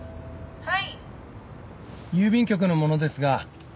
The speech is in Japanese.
はい。